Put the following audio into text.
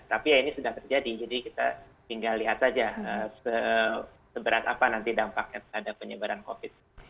tapi ya ini sudah terjadi jadi kita tinggal lihat saja seberat apa nanti dampaknya terhadap penyebaran covid